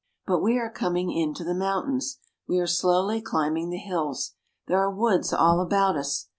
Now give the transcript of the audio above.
But we are coming into the mountains. We are slowly climbing the hills. There are woods all about us.